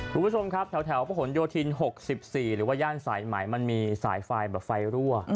คุณผู้ชมครับแถวประหลโยธิน๖๔หรือว่าย่านสายไหมมันมีสายไฟแบบไฟรั่ว